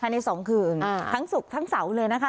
ใน๒คืนทั้งศุกร์ทั้งเสาร์เลยนะคะ